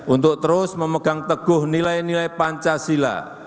untuk terus memegang teguh nilai nilai pancasila